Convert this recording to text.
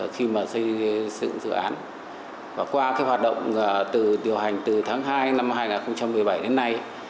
khi xây dựng dự án qua hoạt động điều hành từ tháng hai năm hai nghìn một mươi bảy đến nay